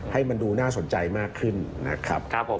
ให้มันดูน่าสนใจมากขึ้นนะครับผม